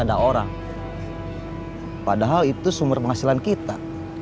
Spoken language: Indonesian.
tapi udah cinta